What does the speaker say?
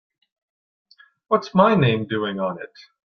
What's my name doing on it?